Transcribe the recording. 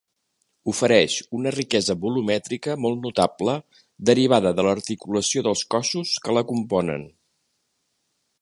Ofereix una riquesa volumètrica molt notable derivada de l'articulació dels cossos que la componen.